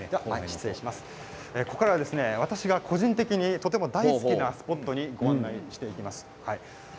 ここからは私が個人的に大好きなスポットにご案内していきます。